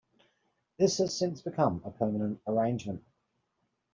This has since become a permanent arrangement.